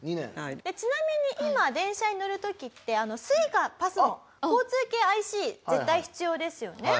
ちなみに今電車に乗る時ってＳｕｉｃａＰＡＳＭＯ交通系ＩＣ絶対必要ですよね。